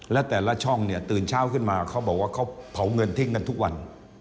และแต่ละช่องเนี่ยตื่นเช้าขึ้นมาเขาบอกว่าเขาเผาเงินทิ้งกันทุกวัน